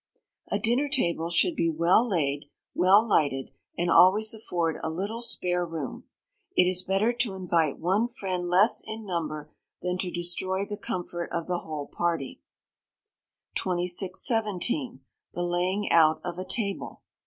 A dinner table should be well laid, well lighted, and always afford a little spare room. It is better to invite one friend less in number, than to destroy the comfort of the whole party. 2617. The Laying out of a Table.